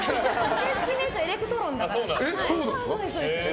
正式名称エレクトロンだから。